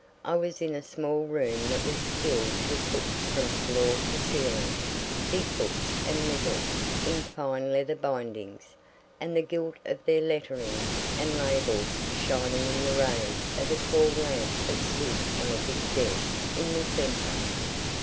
I was in a small room that was filled with books from floor to ceiling big books and little, in fine leather bindings, and the gilt of their letterings and labels shining in the rays of a tall lamp that stood on a big desk in the centre.